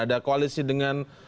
ada koalisi dengan